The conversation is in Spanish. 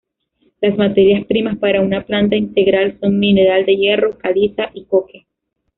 Las materias primas para una planta integral son mineral de hierro, caliza y coque.